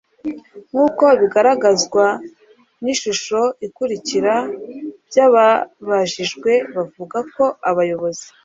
Nk uko bigaragazwa n ishusho ikurikira by ababajijwe bavuga ko abayobozi